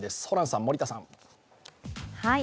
ホランさん、森田さん。